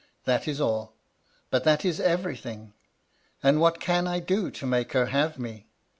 That is all : but that is everything. And what can I do to make her have me?